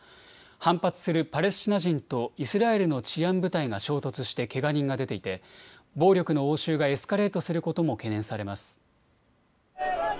反発するパレスチナ人とイスラエルの治安部隊が衝突してけが人が出ていて暴力の応酬がエスカレートすることも懸念されます。